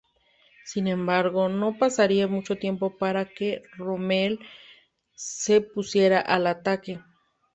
Sin embargo, no pasaría mucho tiempo para que Rommel se pusiera al ataque.